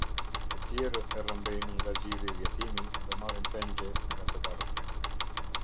Të tjerë e rrëmbejnë nga gjiri jetimin dhe marrin pengje nga të varfrit.